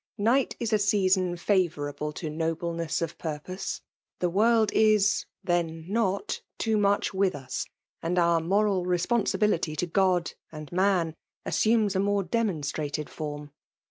Night is a season favour*' able to nobleness of purpose* The world: isV dien > noi *' too much with us ;*' and our moral responsibiUty to Ood and man assumes a more demonstrated form.